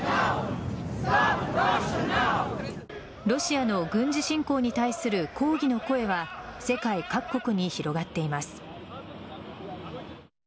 ロシアの軍事侵攻に対する抗議の声は世界各国に広がっています。